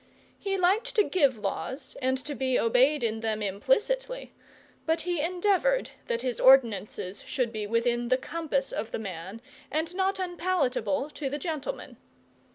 He liked to give laws and to be obeyed in them implicitly, but he endeavoured that his ordinances should be within the compass of the man, and not unpalatable to the gentleman.